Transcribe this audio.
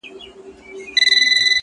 د جنون غرغړې مړاوي زولانه هغسي نه ده -